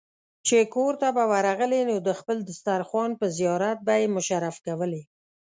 چې کورته به ورغلې نو د خپل دسترخوان په زيارت به يې مشرف کولې.